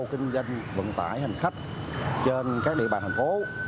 kinh doanh vận tải hành khách trên các địa bàn thành phố